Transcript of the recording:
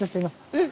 えっ！